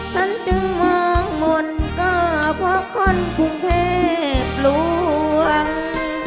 ฉันจึงมองมนต์ก็เพราะคนกรุงเทพลวง